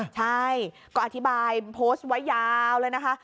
ใช่ก็อธิบายโพสต์ไว้ยาวเลยนะคะ